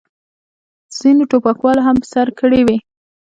ځینو ټوپکوالو هم په سر کړې وې.